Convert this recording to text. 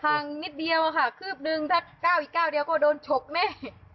ห่างนิดเดียวคืบนึงถัดเก้าอีกเก้าเดียวก็โดนฉกแม่